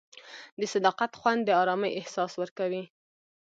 د صداقت خوند د ارامۍ احساس ورکوي.